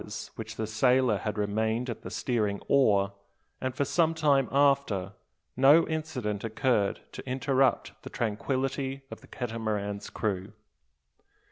During the two hours which the sailor had remained at the steering oar, and for some time after, no incident occurred to interrupt the tranquillity of the Catamaran's crew.